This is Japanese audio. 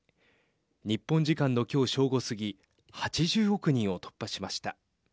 日本時間の今日正午過ぎ８０億人を突破しました。